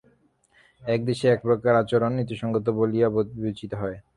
এক দেশে একপ্রকার আচরণ নীতিসঙ্গত বলিয়া বিবেচিত হয়।